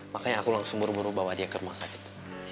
makanya aku langsung buru buru bawa dia ke rumah sakit